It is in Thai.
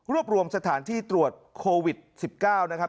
รวมรวมสถานที่ตรวจโควิด๑๙นะครับ